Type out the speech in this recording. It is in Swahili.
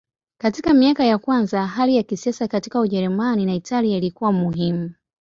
Katika miaka ya kwanza hali ya kisiasa katika Ujerumani na Italia ilikuwa muhimu.